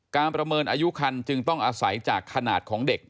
ประเมินอายุคันจึงต้องอาศัยจากขนาดของเด็ก